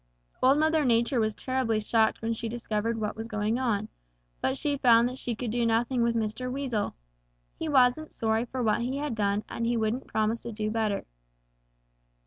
"Old Mother Nature was terribly shocked when she discovered what was going on, but she found that she could do nothing with Mr. Weasel. He wasn't sorry for what he had done and he wouldn't promise to do better.